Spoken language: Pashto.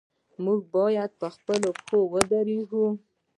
موږ باید په خپلو پښو ودریږو.